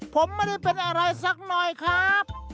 ผมไม่ได้เป็นอะไรสักหน่อยครับ